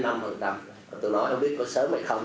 tôi nói không biết có sớm hay không